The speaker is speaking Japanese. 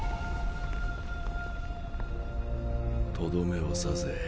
とどめを刺せ！